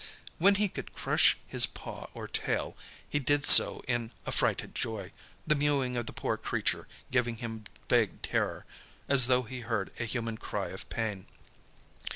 When he could crush his paw or tail, he did so in affrighted joy, the mewing of the poor creature giving him vague terror, as though he heard a human cry of pain.